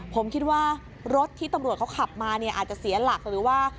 ผมคิดว่ารถที่ตำรวจเขาขับมาเนี่ยอาจจะเสียหลักหรือว่า